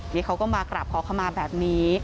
นี่เขาก็มากราบขอขมาแบบนี้